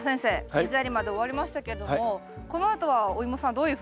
水やりまで終わりましたけれどもこのあとはおイモさんどういうふうにしたらいいんですか？